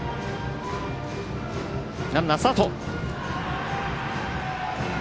ランナー、スタート。